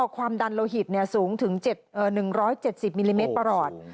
ความดันโลหิตสูงถึง๑๗๐มิลลิเมตรประหลอด